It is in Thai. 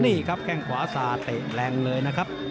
นี่ครับแข้งขวาสาดเตะแรงเลยนะครับ